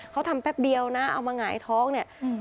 เขาทำแป๊บเดียวนะเอามาหงายท้องเนี่ย